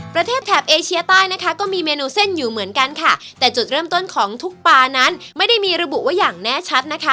แถบเอเชียใต้นะคะก็มีเมนูเส้นอยู่เหมือนกันค่ะแต่จุดเริ่มต้นของทุกปลานั้นไม่ได้มีระบุว่าอย่างแน่ชัดนะคะ